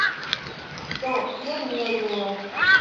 Do, jen mia ideo!